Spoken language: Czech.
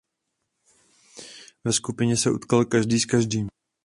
Ve skupině se utkal každý s každým.